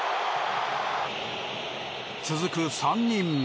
続く３人目。